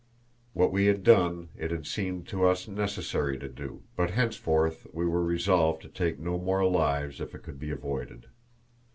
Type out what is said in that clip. What we had done it had seemed to us necessary to do, but henceforth we were resolved to take no more lives if it could be avoided.